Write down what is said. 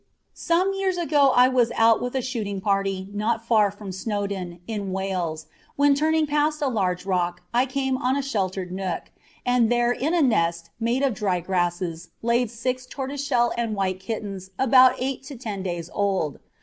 Some years ago I was out with a shooting party not far from Snowdon, in Wales, when turning past a large rock I came on a sheltered nook, and there in a nest made of dry grasses laid six tortoiseshell and white kittens about eight to ten days old.